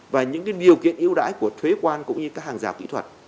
và những điều kiện yêu đãi của thuế quan cũng như các hàng rào kỹ thuật